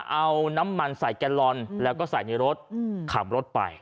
เอาน้ำมันใส่แกลลอนแล้วก็ใส่ในรถขับรถไป